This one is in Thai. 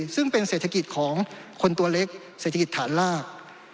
ซึ่งเป็นเศรษฐกิจของคนตัวเล็กเศรษฐกิจฐานลาก